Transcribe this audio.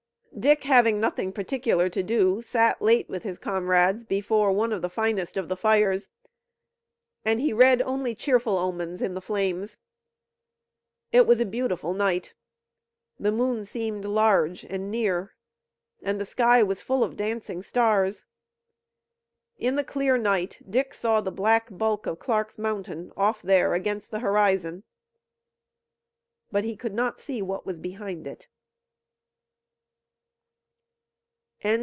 Dick having nothing particular to do, sat late with his comrades before one of the finest of the fires, and he read only cheerful omens in the flames. It was a beautiful night. The moon seemed large and near, and the sky was full of dancing stars. In the clear night Dick saw the black bulk of Clark's Mountain off there against the horizon, but he could not see what was behind it.